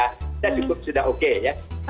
kita cukup sudah oke ya